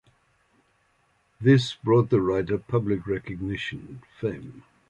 This brought the writer public recognition and fame.